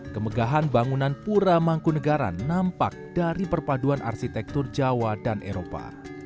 kemegahan bangunan pura mangkunegaran nampak dari perpaduan arsitektur jawa dan eropa